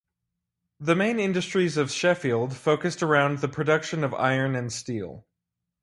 The main industries of Sheffield focused around the production of iron and steel.